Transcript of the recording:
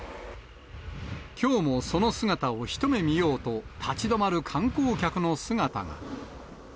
きょうもその姿を一目見ようと、立ち止まる観光客の姿が。